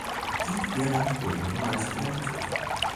Südirland wurde niemals Realität.